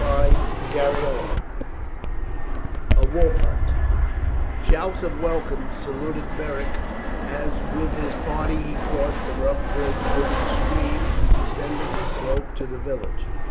CHAPTER III: A WOLF HUNT Shouts of welcome saluted Beric as with his party he crossed the rough bridge over the stream and descended the slope to the village.